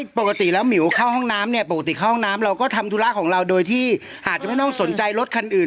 ปกติแล้วหมิวเข้าห้องน้ำเนี่ยปกติเข้าห้องน้ำเราก็ทำธุระของเราโดยที่อาจจะไม่ต้องสนใจรถคันอื่น